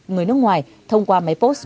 người nước ngoài thông qua máy post